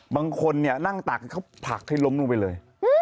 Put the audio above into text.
บางคนเนี่ยนั่งตักเขาผลักให้ล้มลงไปเลย